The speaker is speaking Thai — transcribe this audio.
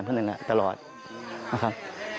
ปืนอยู่บ้านพวกนั้นตลอดนะครับ